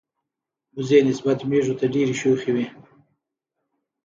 وزې نسبت مېږو ته ډیری شوخی وی.